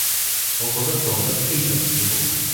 我覺得講得非常之好